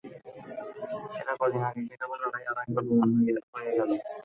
সেটা কদিন আগে এশিয়া কাপের লড়াইয়ে আরও একবার প্রমাণ হয়ে গেল।